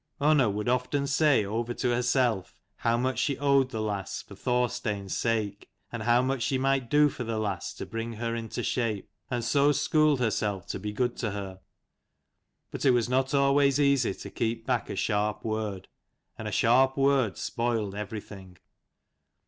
Unna would often say over to herself how much she owed the lass for Thorstein's sake, and how much she might do for the lass to bring her into shape : and so schooled herself to be good to her : but it was not always easy to keep back a sharp word; and a sharp word spoiled everything.